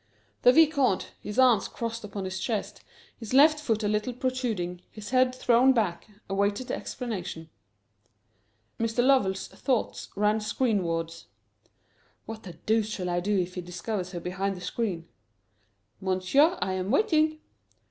The Vicomte, his arms crossed upon his chest, his left foot a little protruding, his head thrown back, awaited the explanation. Mr. Lovell's thoughts ran screenwards. "What the deuce shall I do if he discovers her behind the screen?" "Monsieur, I am waiting."